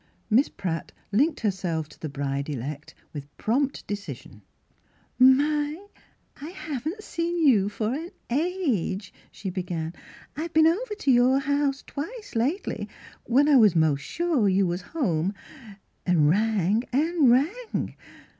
Miss Pratt linked herself to the bride elect with prompt decision. " My ! I haven't seen you for an age," she began. " I've been over to your house twice lately, when I was most sure you was home, an' rang an' rang."